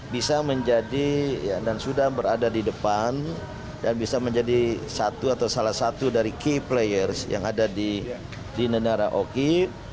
bisa menjadi dan sudah berada di depan dan bisa menjadi satu atau salah satu dari key players yang ada di negara oki